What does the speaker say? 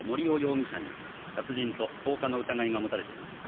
容疑者に殺人と放火の疑いが持たれています